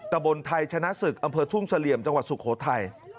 บนไทยชนะศึกอำเภอทุ่งเสลี่ยมจังหวัดสุโขทัย